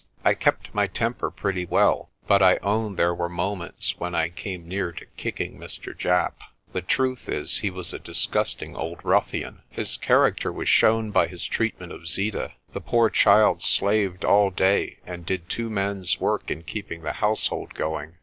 I kept my temper pretty well, but I own there were moments when I came near to kicking Mr. Japp. The truth is he was a disgusting old ruffian. His char BLAAUWILDEBEESTEFONTEIN 47 acter was shown by his treatment of Zeeta. The poor child slaved all day and did two men's work in keeping the house hold going.